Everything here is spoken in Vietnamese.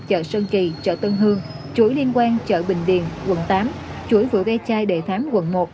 chợ sơn kỳ chợ tân hương chuỗi liên quan chợ bình điền quận tám chuỗi vừa gai chai đệ thám quận một